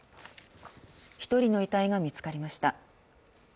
１人の遺体が見つかりました。